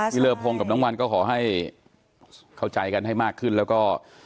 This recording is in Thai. เลอพงกับน้องวันก็ขอให้เข้าใจกันให้มากขึ้นแล้วก็